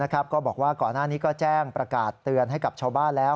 ก็บอกว่าก่อนหน้านี้ก็แจ้งประกาศเตือนให้กับชาวบ้านแล้ว